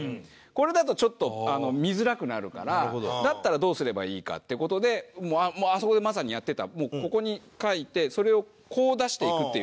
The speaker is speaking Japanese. これだとちょっと見づらくなるからだったらどうすればいいかって事でもうあそこでまさにやってたここに書いてそれをこう出していくっていうやり方。